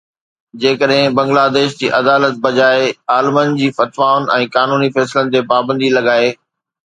جيڪڏهن بنگلاديش جي عدالت بجاءِ عالمن جي فتوائن ۽ قانوني فيصلن تي پابندي لڳائي